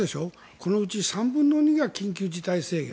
このうち３分の２が緊急事態宣言。